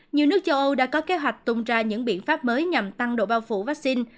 nhiều nước châu âu đã có kế hoạch tung ra những biện pháp mới nhằm tăng độ bao phủ vaccine